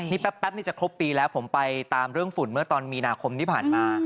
นี่แป๊บนี่จะครบปีแล้วผมไปตามเรื่องฝุ่นเมื่อตอนมีนาคมที่ผ่านมา